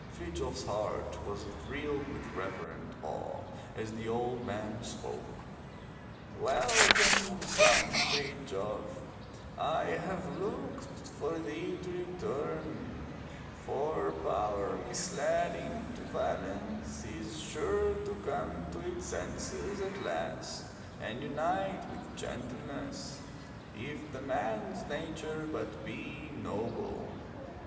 Frithjof s heart was thrilled with reverent awe as the old man spoke. Welcome, son Frithjof, I have looked for thee to return. For power misled into violence is sure to come to its senses at last and unite with gentleness, if the man's nature but be noble.